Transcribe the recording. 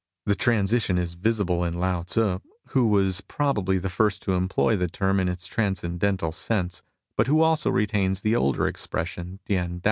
The transition is visible in Lao Tzu, who was probably the first to employ the term in its transcendental sense, but who also retains the older expression Tien Tao.